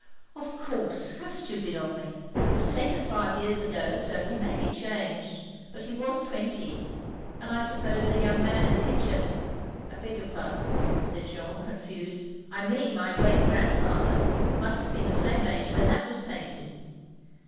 "Of course, how stupid of me. It was taken five years ago, so he may be changed. But he was twenty — and I suppose the young man in the picture — I beg your pardon —" said Jeanne, confused — "I mean my great grandfather, must have been the same age when that was painted."